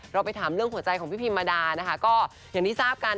ไปถามเรื่องหัวใจของพี่พิมมาดานะคะก็อย่างที่ทราบกัน